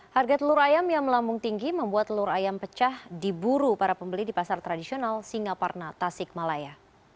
harga telur ayam yang melambung tinggi membuat telur ayam pecah diburu para pembeli di pasar tradisional singaparna tasik malaya